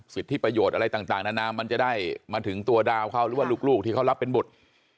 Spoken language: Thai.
สิทธิประโยชน์อะไรต่างนานามันจะได้มาถึงตัวดาวเขาหรือว่าลูกที่เขารับเป็นบุตร